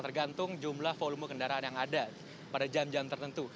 tergantung jumlah volume kendaraan yang ada pada jam jam tertentu